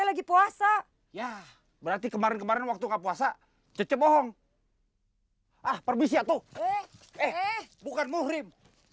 lagi puasa ya berarti kemarin kemarin waktu puasa cece bohong ah permisiatu eh bukan muhrim